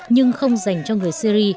nhưng không dành cho người syri